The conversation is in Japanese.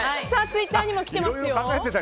ツイッターにも来ていますよ。